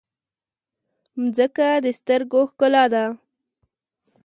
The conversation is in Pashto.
مځکه د سترګو ښکلا ده.